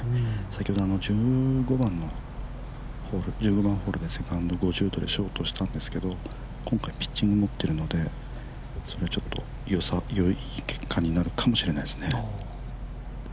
先ほど１５番ホールでセカンド５０度で、ショートしたんですけど今回ピッチングを持っているので、よい結果になるかもしれないですね。